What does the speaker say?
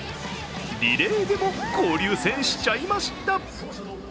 リレーでも交流戦しちゃいました。